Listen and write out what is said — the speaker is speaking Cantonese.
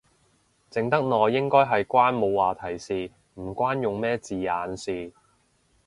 靜得耐應該係關冇話題事，唔關用咩字眼事